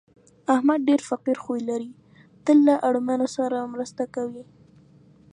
احمد ډېر فقیر خوی لري، تل له اړمنو سره مرسته کوي.